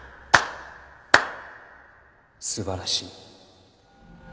素晴らしい。